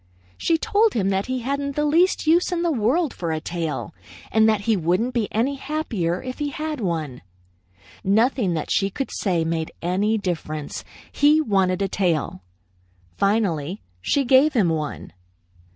She told him that he hadn't the least use in the world for a tail, and that he wouldn't be any happier if he had one. Nothing that she could say made any difference he wanted a tail. Finally she gave him one.